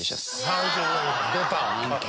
出た！